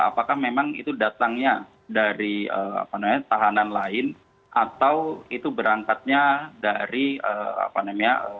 apakah memang itu datangnya dari tahanan lain atau itu berangkatnya dari apa namanya